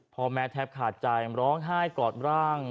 พ่อแม่แทบขาดใจร้องไห้กอดร่าง